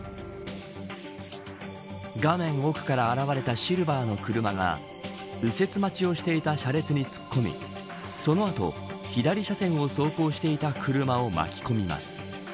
画面奥から現れたシルバーの車が右折待ちをしていた車列に突っ込みその後、左車線を走行していた車を巻き込みます。